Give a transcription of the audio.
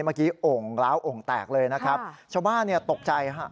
เมื่อกี้โอ่งล้าวโอ่งแตกเลยนะครับชาวบ้านเนี่ยตกใจฮะ